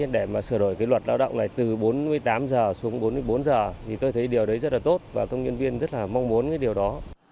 để mà sửa đổi cái luật lao động này từ bốn mươi tám giờ xuống bốn mươi bốn giờ thì tôi thấy điều đấy rất là tốt và công nhân viên rất là mong muốn cái điều đó